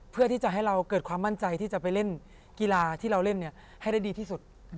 เพื่อที่จะให้เราเกิดความมั่นใจที่จะไปเล่นกีฬาที่เราเล่นให้ได้ดีที่สุด